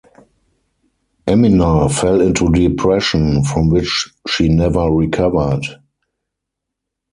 Aminah fell into depression, from which she never recovered.